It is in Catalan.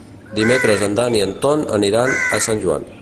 Dimecres en Dan i en Ton aniran a Sant Joan.